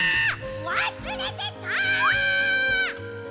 わすれてた！